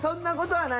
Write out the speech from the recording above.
はい。